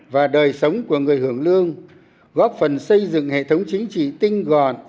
và đời sống của người hưởng lương góp phần xây dựng hệ thống chính trị tinh gọn